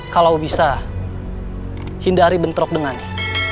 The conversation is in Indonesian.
kalau bisa hindari bentrok dengannya